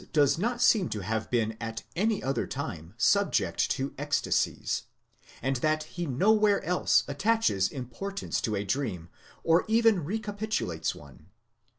257 seem to have been at any other time subject to ecstasies, and that he nowhere else attaches importance to a dream, or even recapitulates one.